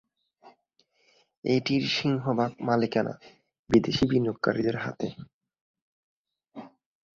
এটির সিংহভাগ মালিকানা বিদেশী বিনিয়োগকারীদের হাতে।